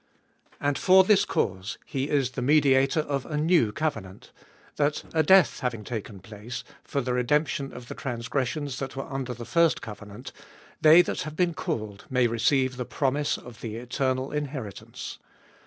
And for this cause he is the mediator of a new covenant, that a death having taken place for the redemption of the transgressions that were under the first covenant, they that have been called may receive the promise of the eternal Inheritance.